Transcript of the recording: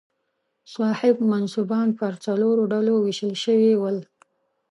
صاحب منصبان پر څلورو ډلو وېشل شوي ول.